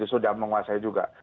itu sudah menguasai juga